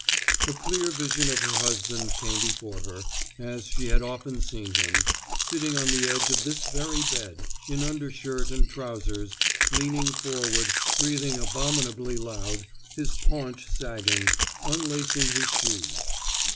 A clear vision of her husband came before her, as she had often seen him, sitting on the edge of this very bed, in undershirt and trousers, leaning forward, breathing abominably loud, his paunch sagging, unlacing his shoes.